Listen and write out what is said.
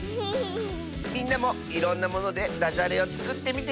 みんなもいろんなものでだじゃれをつくってみてね！